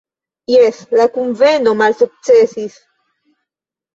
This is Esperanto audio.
Jes, la kunveno malsuksesis.